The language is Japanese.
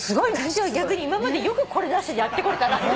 私は逆に今までよくこれなしでやってこれたなと。